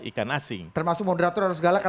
ikan asing termasuk moderator harus galak